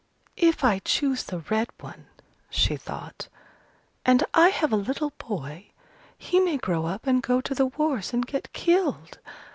"If I choose the red one," she thought, "and I have a little boy, he may grow up and go to the wars and get killed.